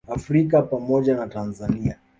Afrika pamoja na Tanzania